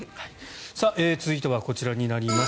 続いてはこちらになります。